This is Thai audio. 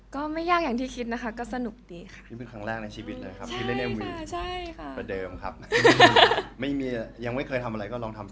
ก็ไม่ยากอย่างที่คิดนะคะก็สนุกดีค่ะ